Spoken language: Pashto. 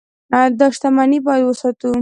دا شتمني باید وساتو.